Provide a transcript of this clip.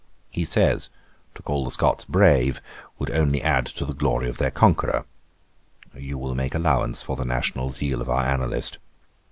He says, "to call the Scots brave would only add to the glory of their conquerour." You will make allowance for the national zeal of our annalist.